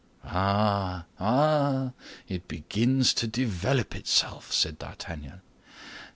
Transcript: "Ah, ah! It begins to develop itself," said D'Artagnan.